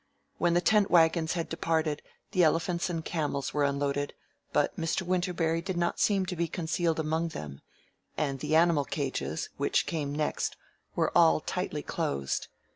When the tent wagons had departed, the elephants and camels were unloaded, but Mr. Winterberry did not seem to be concealed among them, and the animal cages which came next were all tightly closed.